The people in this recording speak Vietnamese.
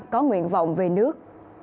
có nguyện vọng về nước